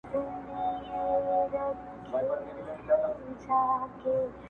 د اسويـــــلـويـو خــــوراكــــونـــــه كــــــــــړي,